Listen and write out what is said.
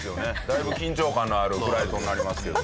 だいぶ緊張感のあるフライトになりますけど。